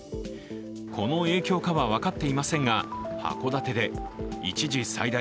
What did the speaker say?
この影響かは分かっていませんが、函館で一時最大